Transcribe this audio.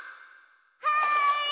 はい！